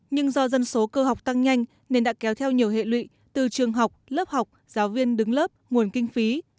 nhưng do dân số cơ học tăng nhanh nên đã kéo theo nhiều hệ lụy từ trường học lớp học giáo viên đứng lớp nguồn kinh phí